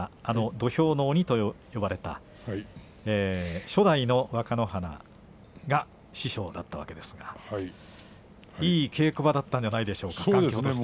あの土俵の鬼といわれた初代の若乃花が師匠だったわけですがいい稽古場だったんじゃなかったでしょうか。